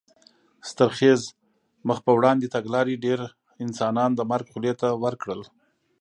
ستر خېز مخ په وړاندې تګلارې ډېر انسانان د مرګ خولې ته ور کړل.